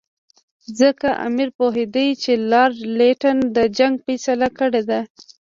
ځکه امیر پوهېدی چې لارډ لیټن د جنګ فیصله کړې ده.